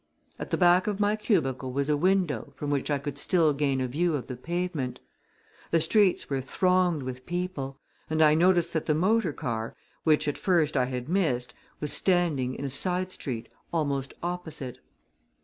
At the back of my cubicle was a window from which I could still gain a view of the pavement. The streets were thronged with people, and I noticed that the motor car, which at first I had missed, was standing in a side street, almost opposite.